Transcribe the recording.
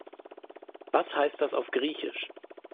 Was heißt das auf Griechisch?